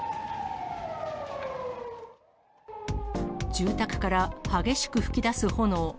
住宅から激しく噴き出す炎。